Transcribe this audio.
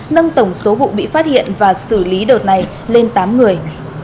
nâng tổng số vụ bị phát hiện và xử lý đợt này lên tám người